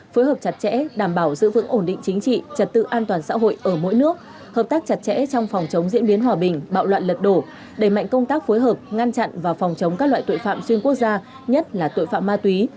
phối hợp chặt chẽ đảm bảo giữ vững ổn định chính trị trật tự an toàn xã hội ở mỗi nước hợp tác chặt chẽ trong phòng chống diễn biến hòa bình bạo loạn lật đổ đẩy mạnh công tác phối hợp ngăn chặn và phòng chống các loại tội phạm xuyên quốc gia nhất là tội phạm ma túy